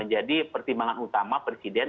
jadi pertimbangan utama presiden